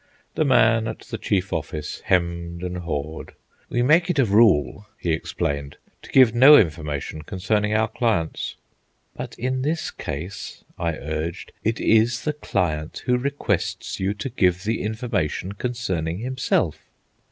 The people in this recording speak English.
The man at the Chief Office hemmed and hawed. "We make it a rule," he explained, "to give no information concerning our clients." "But in this case," I urged, "it is the client who requests you to give the information concerning himself."